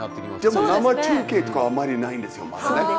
でも生中継とかはあまりないんですよまだ。